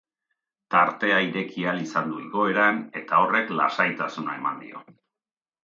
Tartea ireki ahal izan du igoeran eta horrek lasaitasuna eman dio.